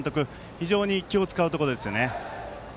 非常に気を使うところですね。